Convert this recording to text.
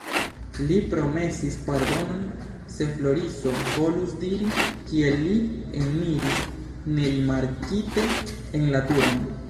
Li promesis pardonon, se Floriso volus diri, kiel li eniris nerimarkite en la turon.